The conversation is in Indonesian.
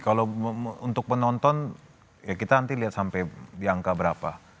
kalau untuk penonton ya kita nanti lihat sampai di angka berapa